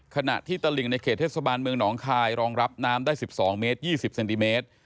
ขณะที่ตลิ่งในเขตเทศบาลเมืองหนองคายรองรับน้ำได้๑๒เมตร๒๐เซนติเมตร